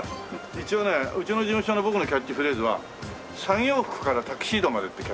一応ねうちの事務所の僕のキャッチフレーズは「作業服からタキシードまで」ってキャッチフレーズ。